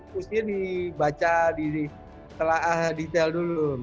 pastinya dibaca di telah detail dulu